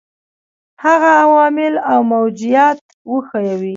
هغه عوامل او موجبات وښيیو.